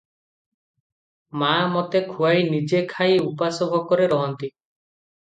ମା' ମୋତେ ଖୁଆଇ ନିଜେ ନ ଖାଇ ଉପାସ ଭୋକରେ ରହନ୍ତି ।